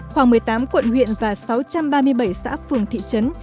khoảng một mươi tám quận huyện và sáu trăm ba mươi bảy xã phường thị trấn